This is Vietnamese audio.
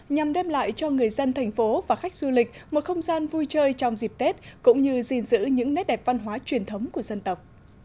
nhằm đem lại cho người dân thành phố và khách du lịch một không gian vui chơi trong dịp tết cũng như gìn giữ những nét đẹp văn hóa truyền thống của dân tộc